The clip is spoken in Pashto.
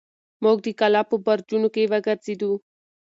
موږ د کلا په برجونو کې وګرځېدو.